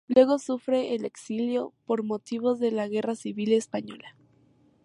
Luego sufre el exilio por motivos de la Guerra Civil Española.